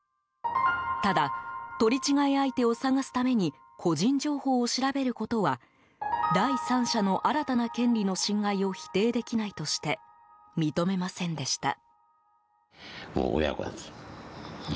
ただ、取り違え相手を捜すために個人情報を調べることは第三者の新たな権利の侵害を否定できないとして認めませんでした。